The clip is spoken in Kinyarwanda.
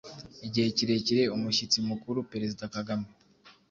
igihe kirekire umushyitsi mukuru Perezida Kagame.